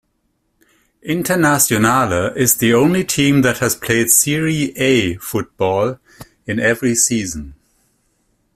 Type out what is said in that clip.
Internazionale is the only team that has played Serie A football in every season.